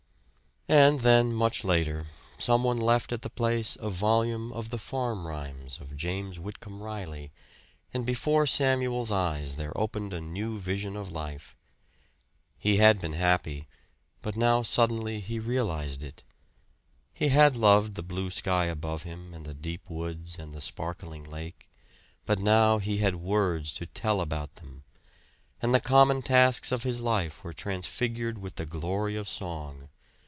And then, much later, some one left at the place a volume of the "Farm Rhymes" of James Whitcomb Riley; and before Samuel's eyes there opened a new vision of life. He had been happy; but now suddenly he realized it. He had loved the blue sky above him, and the deep woods and the sparkling lake; but now he had words to tell about them and the common tasks of his life were transfigured with the glory of song.